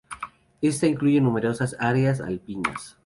Esta incluye numerosas áreas alpinas.